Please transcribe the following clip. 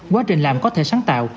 quá trình làm có thể sáng tạo